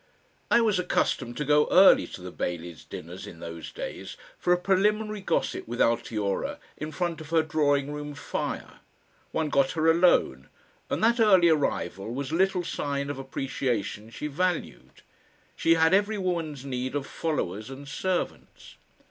I was accustomed to go early to the Baileys' dinners in those days, for a preliminary gossip with Altiora in front of her drawing room fire. One got her alone, and that early arrival was a little sign of appreciation she valued. She had every woman's need of followers and servants.